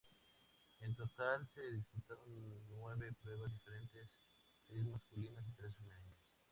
En total se disputaron nueve pruebas diferentes, seis masculinas y tres femeninas.